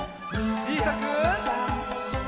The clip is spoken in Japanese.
ちいさく。